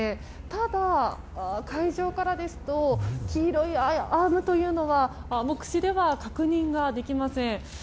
ただ、海上からですと黄色いアームというのは目視では確認ができません。